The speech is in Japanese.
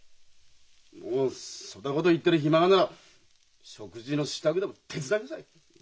もうそだごど言ってる暇があるなら食事の支度でも手伝いなさい。